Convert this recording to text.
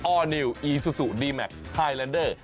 อร์นิวอีซูซูดีแมคไฮแลนเดอร์